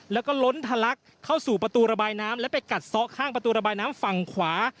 แล้วก็ล้นทะลักเข้าสู่ประตูระบายน้ำและไปกัดซ้อข้างประตูระบายน้ำฝั่งขวา